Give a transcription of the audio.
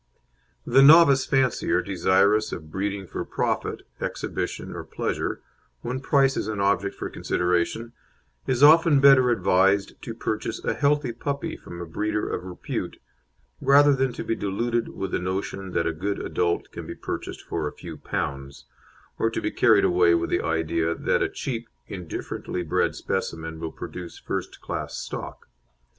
The novice fancier, desirous of breeding for profit, exhibition, or pleasure, when price is an object for consideration, is often better advised to purchase a healthy puppy from a breeder of repute rather than to be deluded with the notion that a good adult can be purchased for a few pounds, or to be carried away with the idea that a cheap, indifferently bred specimen will produce first class stock.